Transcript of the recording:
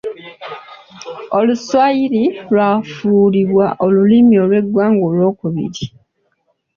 Oluswayiri lwafuulibwa olulimi lw’eggwanga olwokubiri.